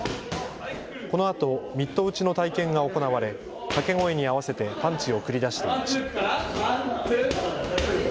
このあとミット打ちの体験が行われ、掛け声に合わせてパンチを繰り出していました。